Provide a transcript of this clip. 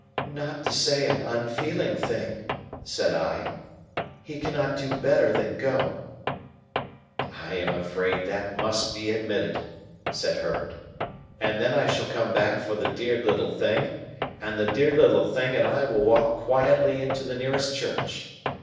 "Not to say an unfeeling thing," said I, "he cannot do better than go." "I am afraid that must be admitted," said Herbert; "and then I shall come back for the dear little thing, and the dear little thing and I will walk quietly into the nearest church.